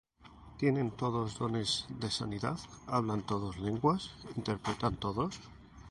¿Tienen todos dones de sanidad? ¿hablan todos lenguas? ¿interpretan todos?